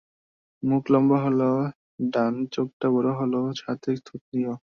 মুখ লম্বা হলো, ডান চোখটা বড় হলো, সাথে থুতনিও।